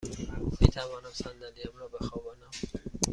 می توانم صندلی ام را بخوابانم؟